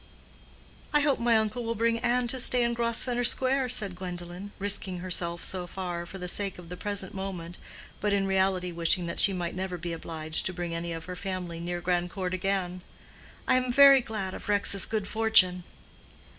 "I hope my uncle will bring Ann to stay in Grosvenor Square," said Gwendolen, risking herself so far, for the sake of the present moment, but in reality wishing that she might never be obliged to bring any of her family near Grandcourt again. "I am very glad of Rex's good fortune."